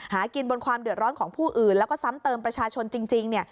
หากินบนความเดือดร้อนของผู้อื่นแล้วก็ซ้ำเติมประชาชนจริง